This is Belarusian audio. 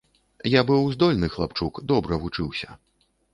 Я быў здольны хлапчук, добра вучыўся.